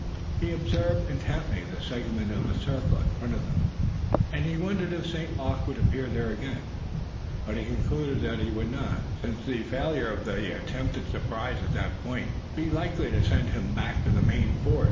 He observed intently the segment of the circle in front of them, and he wondered if St. Luc would appear there again, but he concluded that he would not, since the failure of the attempted surprise at that point would be likely to send him back to the main force.